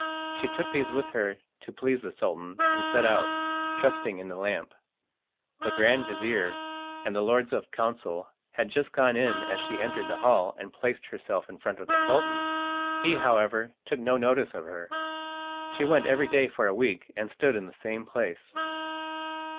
She took these with her to please the Sultan, and set out, trusting in the lamp. The grand vizir and the lords of council had just gone in as she entered the hall and placed herself in front of the Sultan. He, however, took no notice of her. She went every day for a week, and stood in the same place.